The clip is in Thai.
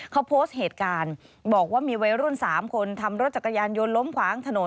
เค้าโพสต์เหตุการณ์